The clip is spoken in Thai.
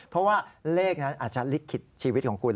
เพราะว่าเลขนั้นอาจจะลิขิตชีวิตของคุณ